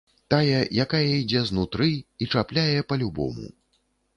Тая, якая ідзе знутры і чапляе па-любому.